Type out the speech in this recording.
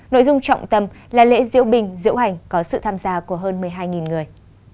nội dung trọng tâm là lễ diễu bình diễu hành có sự tham gia của hơn một mươi hai người